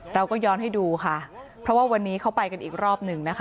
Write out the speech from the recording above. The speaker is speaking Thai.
เราก็ย้อนให้ดูค่ะเพราะว่าวันนี้เขาไปกันอีกรอบหนึ่งนะคะ